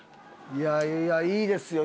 いやいやいいですよ。